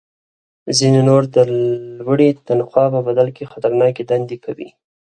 ځینې نور د لوړې تنخوا په بدل کې خطرناکې دندې کوي